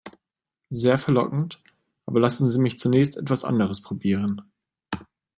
Sehr verlockend, aber lassen Sie mich zunächst etwas anderes probieren.